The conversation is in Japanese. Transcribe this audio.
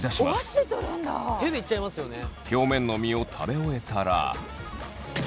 表面の身を食べ終えたら。